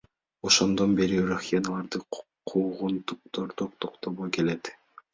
Ошондон бери рохиняларды куугунтуктоо токтобой келет.